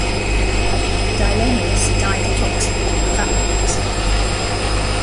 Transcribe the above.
Dillenius died at Oxford, of apoplexy.